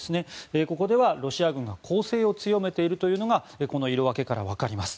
ここではロシア軍が攻勢を強めているのがこの色分けから分かります。